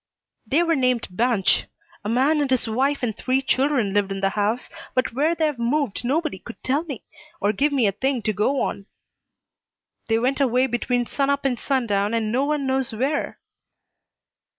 "They were named Banch. A man and his wife and three children lived in the house, but where they've moved nobody could tell me, or give me a thing to go on. They went away between sun up and sun down and no one knows where."